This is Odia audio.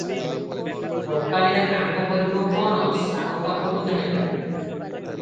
ଗୋପାଳିଆ କାମ କରିବ କଣ ସାହୁ ପାଖକୁ ଧାଇଁଲା ।